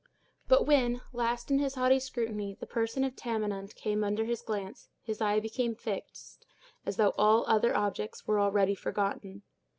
But when, last in this haughty scrutiny, the person of Tamenund came under his glance, his eye became fixed, as though all other objects were already forgotten.